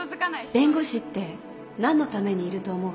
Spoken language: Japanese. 弁護士って何のためにいると思う？